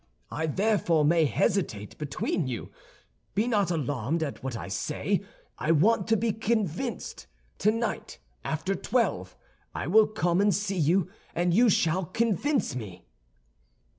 I therefore may hesitate between you. Be not alarmed at what I say; I want to be convinced. Tonight, after twelve, I will come and see you, and you shall convince me."